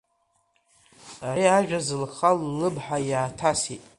Ари ажәа Зылха ллымҳа иааҭасит.